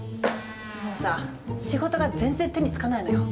もうさ仕事が全然手につかないのよ。